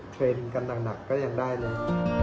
เทรนด์กันหนักก็ยังได้เลย